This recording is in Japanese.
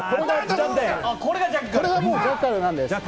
これがもうジャッカルなんです。